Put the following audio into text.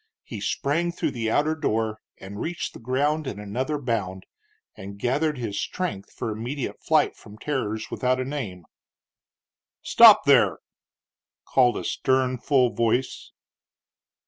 He sprang through the outer door and reached the ground in another bound, and gathered his strength for immediate flight from terrors without a name. "Stop, there!" called a stern, full voice.